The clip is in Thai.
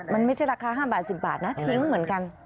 มันไม่ใช่ราคา๕บาท๑๐บาทนะทิ้งเหมือนกัน